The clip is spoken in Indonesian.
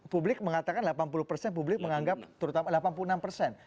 publik mengatakan delapan puluh persen publik menganggap delapan puluh enam persen